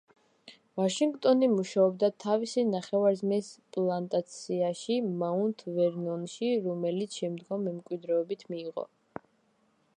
ვაშინგტონი მუშაობდა თავისი ნახევარძმის პლანტაციაში, მაუნთ ვერნონში, რომელიც შემდგომ მემკვიდრეობით მიიღო.